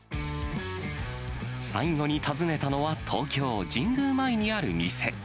最後に訪ねたのは、東京・神宮前にある店。